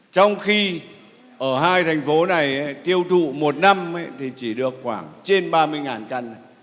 trong khi ở hai thành phố này tiêu thụ một năm thì chỉ được khoảng trên ba mươi căn